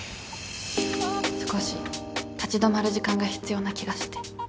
少し立ち止まる時間が必要な気がして。